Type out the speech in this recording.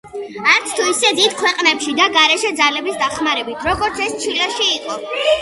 არც თუ ისე დიდ ქვეყნებში და გარეშე ძალების დახმარებით, როგორც ეს ჩილეში იყო.